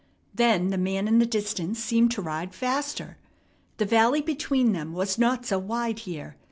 Then the man in the distance seemed to ride faster. The valley between them was not so wide here.